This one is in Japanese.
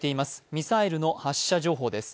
ミサイルの発射情報です。